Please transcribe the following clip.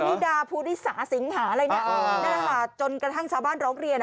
นิดาภูริสาสิงหาอะไรแน่จนกระทั่งชาวบ้านร้องเรียน